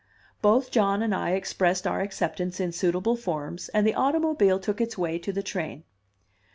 Both John and I expressed our acceptance in suitable forms, and the automobile took its way to the train.